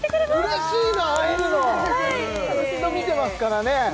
うれしいな会えるのずっと見てますからね